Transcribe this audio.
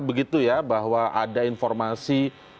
begitu ya bahwa ada informasi